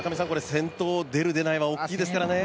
先頭、出る、出ないは大きいですからね。